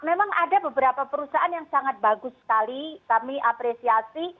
memang ada beberapa perusahaan yang sangat bagus sekali kami apresiasi